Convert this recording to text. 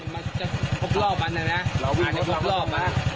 มันจะคบ